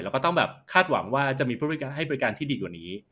แล้วก็ต้องแบบคาดหวังว่าจะมีผู้ให้บริการที่ดีกว่านี้